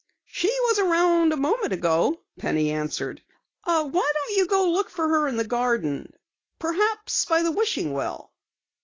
"She was around a moment ago," Penny answered. "Why don't you look for her in the garden perhaps by the wishing well."